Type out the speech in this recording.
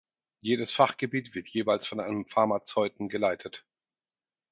Jedes Fachgebiet wird jeweils von einem Pharmazeuten geleitet.